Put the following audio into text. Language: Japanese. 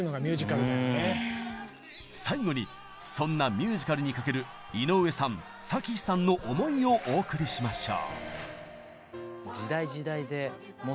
最後にそんなミュージカルにかける井上さん咲妃さんの思いをお送りしましょう。